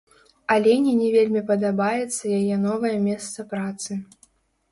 Алене не вельмі падабаецца яе новае месца працы.